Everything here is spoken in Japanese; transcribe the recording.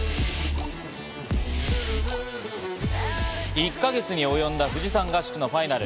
１か月におよんだ富士山合宿のファイナル。